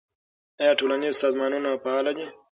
آیا ټولنیز سازمانونه فعال دي؟